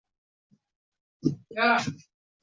Sen ham uyingga qaytishni istaysanmi